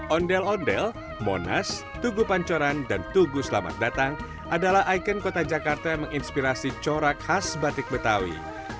ondel ondel monas tugu pancoran dan tugu selamat datang adalah ikon kota jakarta yang menginspirasi corak khas batik betawi